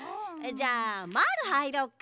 じゃあまぁるはいろうか。